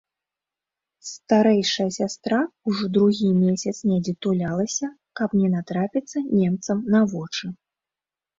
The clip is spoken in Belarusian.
Старэйшая сястра ўжо другі месяц недзе тулялася, каб не натрапіцца немцам на вочы.